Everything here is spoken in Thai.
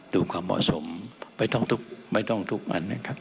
ดูความเหมาะสมไม่ต้องทุกวันนะครับ